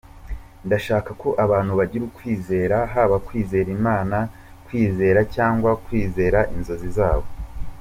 Ndashaka ko abantu bagira ukwizera, haba kwizera Imana, kwiyizera cyangwa kwizera inzozi zabo.